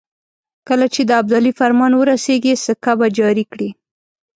کله چې د ابدالي فرمان ورسېږي سکه به جاري کړي.